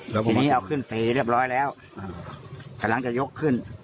แล้วทีนี้เอาขึ้นตีเรียบร้อยแล้วกำลังจะยกขึ้น